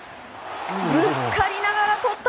ぶつかりながらとった！